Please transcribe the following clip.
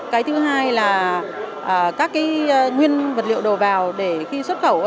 cái thứ hai là các cái nguyên vật liệu đầu vào để khi xuất khẩu